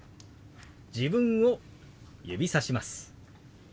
自分を指さします。